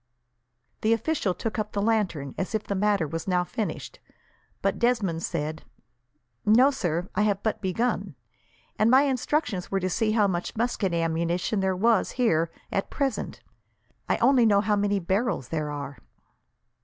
The official took up the lantern, as if the matter was now finished, but Desmond said: "No, sir. I have but begun; and my instructions were to see how much musket ammunition there was here, at present. I only know how many barrels there are.